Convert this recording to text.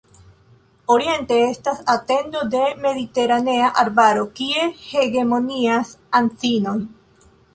Oriente estas etendo de mediteranea arbaro, kie hegemonias anzinoj.